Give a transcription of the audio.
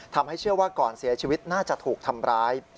ทำให้เชื่อว่าก่อนเสียชีวิตน่าจะถูกทำร้าย